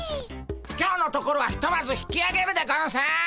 今日のところはひとまず引きあげるでゴンス！